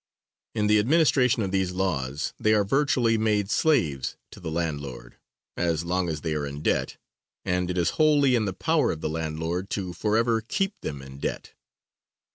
In the administration of these laws they are virtually made slaves to the landlord, as long as they are in debt, and it is wholly in the power of the landlord to forever keep them in debt.